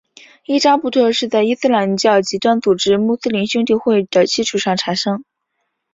伊扎布特是在伊斯兰教极端组织穆斯林兄弟会的基础上产生。